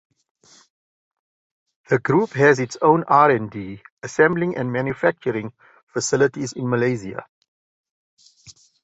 The group has its own R and D, assembling and manufacturing facilities in Malaysia.